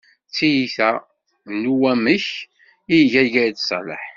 D tiyita n uwanek i iga Gayed Ṣaleḥ.